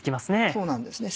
そうなんですね。